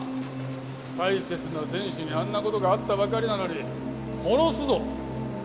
大切な選手にあんな事があったばかりなのに「殺すぞ」。